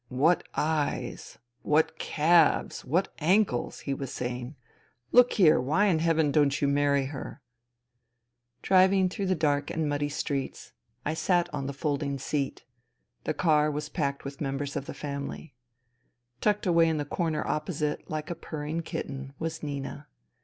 *' What eyes ! What calves I What ankles !" he was saying. " Look here, why in heaven don't you marry her ?..." Driving through the dark and muddy streets, I sat on the folding seat ; the car was packed with members of the family. Tucked away in the corner opposite, like a purring kitten, was Nina.